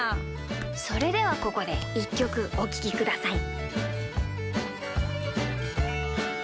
それではここでいっきょくおききください。